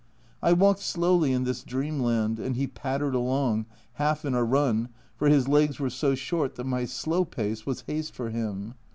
I walked slowly in this dreamland, and he pattered along, half in a run, for his legs were so short that my slow pace was haste for him.